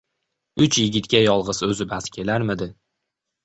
Uch yigitga yolg‘iz o‘zi bas kelarmidi!